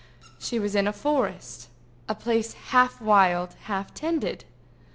She was in a forest, a place half wild, half tended.